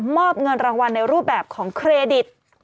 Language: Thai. อบเงินรางวัลในรูปแบบของเครดิต